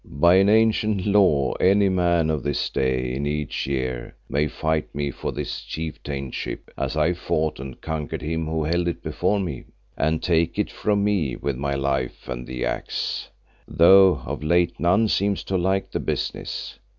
By an ancient law any man on this day in each year may fight me for this Chieftainship, as I fought and conquered him who held it before me, and take it from me with my life and the axe, though of late none seems to like the business.